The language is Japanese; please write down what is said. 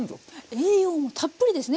栄養もたっぷりですね